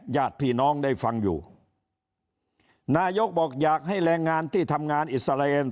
ญาติพี่น้องได้ฟังอยู่นายกบอกอยากให้แรงงานที่ทำงานอิสราเอล